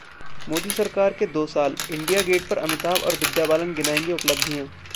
मोदी सरकार के दो सालः इंडिया गेट पर अमिताभ और विद्या बालन गिनाएंगे उपलब्धियां